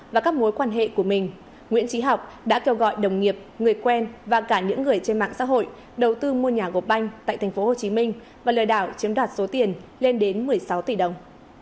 và các mối quan hệ của mình nguyễn trí học đã kêu gọi đồng nghiệp người quen và cả những người trên mạng xã hội đầu tư mua nhà gột banh tại thành phố hồ chí minh và lừa đảo chiếm đoạt số tiền lên đến một mươi sáu tỷ đồng